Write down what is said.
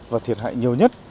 và thiệt hại nhiều nhất